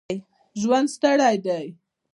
ژوند ستړی دی